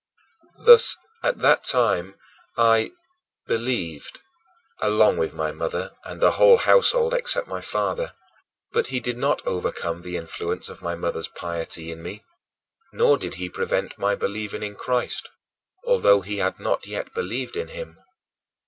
Thus, at that time, I "believed" along with my mother and the whole household, except my father. But he did not overcome the influence of my mother's piety in me, nor did he prevent my believing in Christ, although he had not yet believed in him.